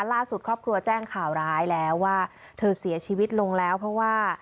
ล่าสุดครอบครัวแจ้งข่าวร้ายแล้วว่าเธอเสียชีวิตลงแล้วเพราะว่า